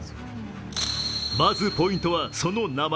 まずポイントは、その名前。